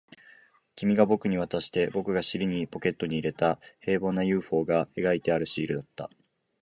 君が僕に渡して、僕が尻にポケットに入れた、平凡な ＵＦＯ が描いてあるシールだった